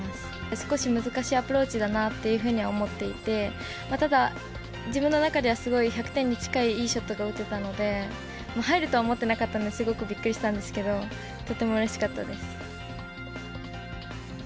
少し難しいアプローチだなっていうふうには思っていて、ただ、自分の中ではすごい１００点に近いいいショットが打てたので、入るとは思ってなかったのですごくびっくりしたんですけど、とてもうれしかったです。